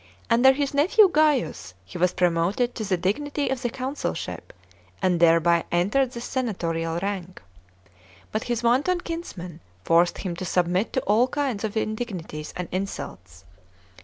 Under his nephew Gaius he was promoted to the dignity of the consulship, and thereby entered the senatorial rank. But his wanton kinsman forced him to submit to all kinds of indignities and insults.